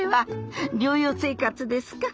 療養生活ですか？